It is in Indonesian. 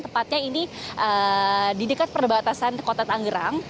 tepatnya ini di dekat perbatasan kota tangerang